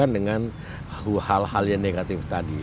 dengan hal hal yang negatif tadi